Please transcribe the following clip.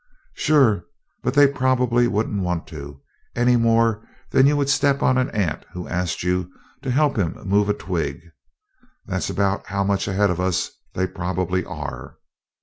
"Sure, but they probably wouldn't want to any more than you would step on an ant who asked you to help him move a twig. That's about how much ahead of us they probably are.